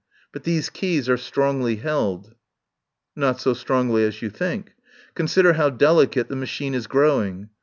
But these keys are strongly held." "Not so strongly as you think. Consider how delicate the machine is growing.